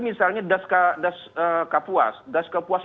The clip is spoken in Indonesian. misalnya das kapuas